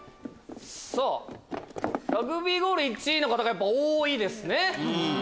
ラグビーゴール１位の方がやっぱ多いですね。